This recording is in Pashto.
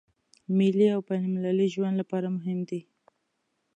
ملي او بين المللي ژوند لپاره هم دی.